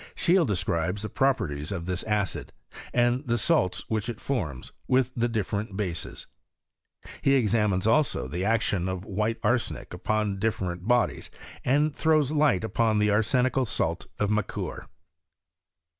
Scheele describes the properties of this acid, and the salts which it forms, with the dif ferent bases. He examines, also, the action of white arsenic upon different bodies, and throws light ton the arsenical salt of Macquer.